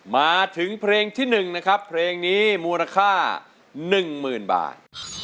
มาถึงเพลงที่๑นะครับเพลงนี้มูลค่า๑๐๐๐บาท